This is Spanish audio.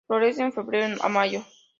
Florece en febrero a mayo.